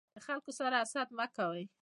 د خلکو سره حسد مه کوی.